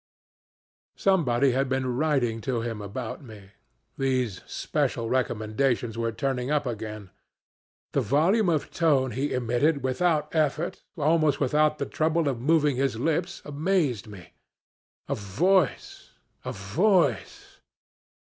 Somebody had been writing to him about me. These special recommendations were turning up again. The volume of tone he emitted without effort, almost without the trouble of moving his lips, amazed me. A voice! a voice!